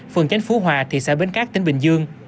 phường chánh phú hòa thị xã bến cát tỉnh bình dương